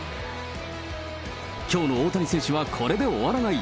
きょうの大谷選手はこれで終わらない。